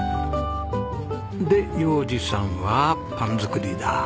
で洋治さんはパン作りだ。